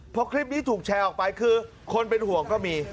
พอคลิปนี้ถูกแชร์ออกไปคือคนเป็นห่วงก็มี